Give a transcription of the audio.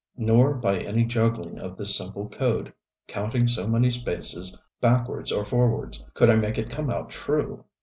Nor by any juggling of this simple code, counting so many spaces backwards or forwards, could I make it come out true.